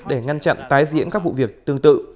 để ngăn chặn tái diễn các vụ việc tương tự